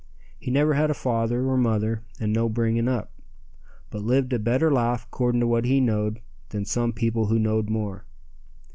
He never had a father or mother and no bringing up, but lived a better life 'cording to what he knowed than some people who knowed more.